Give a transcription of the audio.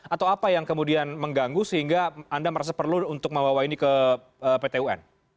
atau apa yang kemudian mengganggu sehingga anda merasa perlu untuk membawa ini ke pt un